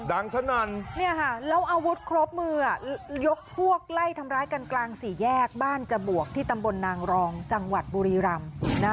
ฉันนั่นแล้วอาวุธครบมือยกพวกไล่ทำร้ายกันกลางสี่แยกบ้านจบวกที่ตำบลนางรองจังหวัดบุรีรำ